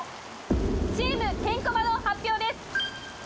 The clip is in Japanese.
チームケンコバの発表です